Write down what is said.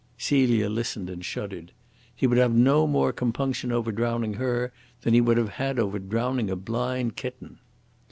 Celia listened and shuddered. He would have no more compunction over drowning her than he would have had over drowning a blind kitten.